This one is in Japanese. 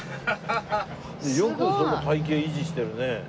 よくその体形維持してるね。